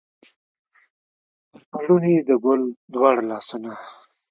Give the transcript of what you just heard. پر پوړني یې د ګل دواړه لاسونه